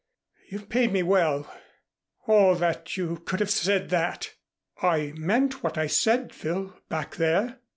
"You've paid me well. Oh, that you could have said that! I meant what I said, Phil, back there.